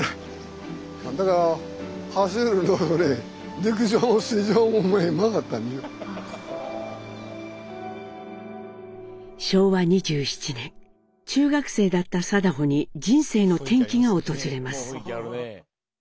だから走るのもね昭和２７年中学生だった禎穗に人生の転機が訪れます。